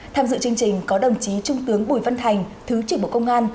tham dự chương trình có đồng chí trung tướng bùi văn thành thứ trưởng bộ công an